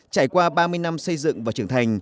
trải qua ba mươi năm xây dựng và trưởng thành